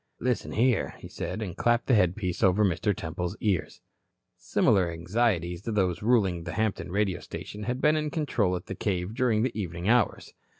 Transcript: "Listen here," he said, and clapped the headpiece over Mr. Temple's ears. Similar anxieties to those ruling at the Hampton radio station had been in control at the cave during the evening hours.